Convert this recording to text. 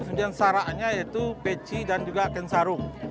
kemudian saraknya itu peci dan juga tensarung